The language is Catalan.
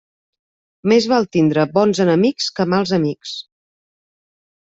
Més val tindre bons enemics que mals amics.